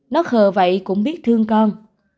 nó khờ vậy cũng biết thương con